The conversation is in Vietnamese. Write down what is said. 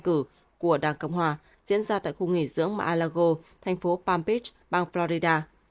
cử của đảng cộng hòa diễn ra tại khu nghỉ dưỡng mar a lago thành phố palm beach bang florida